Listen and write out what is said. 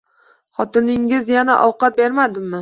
- Xotiningiz yana ovqat bermadimi?